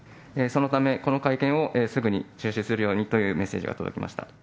そのため、この会見をすぐに中止するようにというメッセージが届きました。